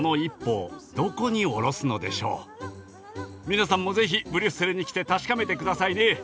皆さんもぜひブリュッセルに来て確かめてくださいね。